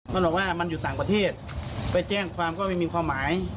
มันบอกว่ามันอยู่ต่างประเทศไปแจ้งความก็ไม่มีความหมาย